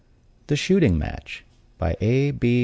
THE SHOOTING MATCH BY A.B.